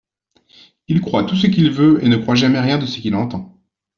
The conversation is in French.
Il croit tout ce qu'il veut et ne croit jamais rien de ce qu'il entend.